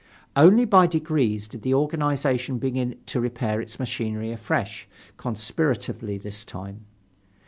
Only by degrees did the organization begin to repair its machinery afresh, conspiratively this time.